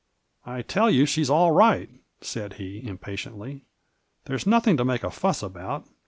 "I tell you she's all right," said he, impatiently; "there's nothing to make a fuss about.